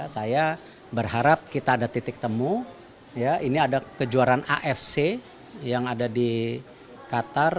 saya berharap kita ada titik temu ya ini ada kejuaraan afc yang ada di qatar